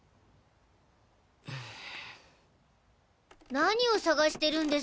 何を探してるんです